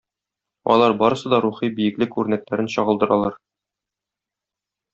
Алар барысы да рухи биеклек үрнәкләрен чагылдыралар.